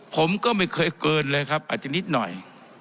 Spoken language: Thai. ผมก็ไม่เคยเกินเลยครับอาจจะนิดหน่อย